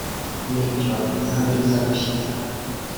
Ni cyo Impamirizagushyitsa